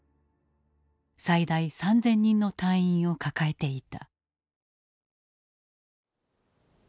最大３，０００人の隊員を抱えていた。